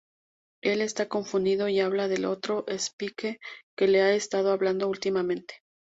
Él está confundido y habla del otro Spike que le ha estado hablando últimamente.